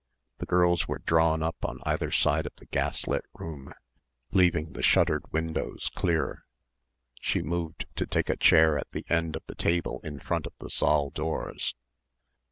The girls were drawn up on either side of the gaslit room leaving the shuttered windows clear. She moved to take a chair at the end of the table in front of the saal doors.